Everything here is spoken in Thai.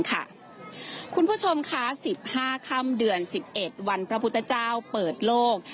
คุณผู้ชมคะ๑๕ค่ำเดือน๑๑วันพระพุทธเจ้าเปิดโลก